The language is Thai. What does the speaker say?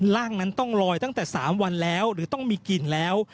ร่างนั้นต้องลอยตั้งแต่๓วันแล้วหรือต้องมีกลิ่นแล้ว